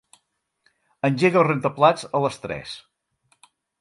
Engega el rentaplats a les tres.